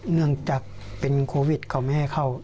เนื่องจากเป็นโควิดเขาไม่ให้เข้า